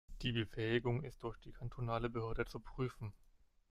Die Befähigung ist durch die kantonale Behörde zu prüfen.